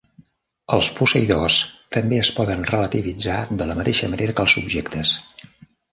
Els posseïdors també es poden relativitzar de la mateixa manera que els subjectes.